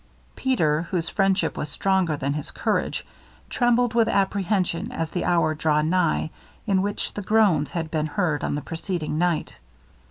Peter, whose friendship was stronger than his courage, trembled with apprehension as the hour drew nigh in which the groans had been heard on the preceding night.